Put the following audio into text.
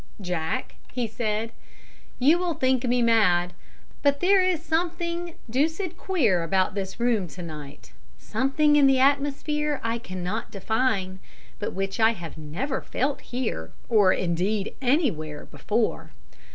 "'Jack,' he said, 'you will think me mad, but there is something deuced queer about this room to night something in the atmosphere I cannot define, but which I have never felt here or indeed anywhere before.